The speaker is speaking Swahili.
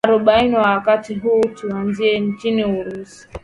aribu na wakati huu tuanzie nchini urusi